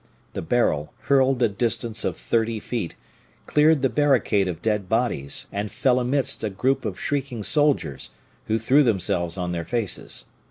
The barrel, hurled a distance of thirty feet, cleared the barricade of dead bodies, and fell amidst a group of shrieking soldiers, who threw themselves on their faces.